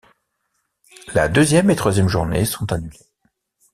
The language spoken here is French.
La deuxième et troisième journée sont annulé.